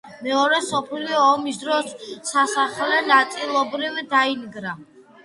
მეორე მსოფლიო ომის დროს სასახლე ნაწილობრივ დაინგრა.